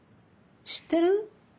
知ってる？